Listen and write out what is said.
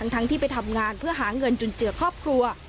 ทั้งที่ไปทำงานเพื่อหาเงินจุนเจือครอบครัว